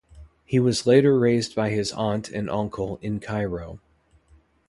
He was later raised by his aunt and uncle in Cairo.